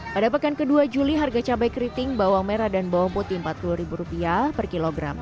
pada pekan ke dua juli harga cabai keriting bawang merah dan bawang putih rp empat puluh per kilogram